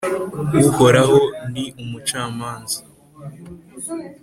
Uhoraho ni umucamanza,